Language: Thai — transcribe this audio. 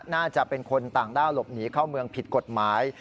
น่าจะเป็นคนต่างด้าวหลบหนีเข้าเมืองผิดกฎหมาย